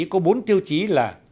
có bốn tiêu chí là